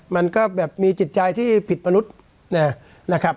มันก็แบบมีจิตใจที่ผิดมนุษย์นะครับ